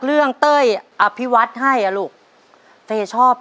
พอเชิญน้องเฟย์มาต่อชีวิตเป็นคนต่อไปครับ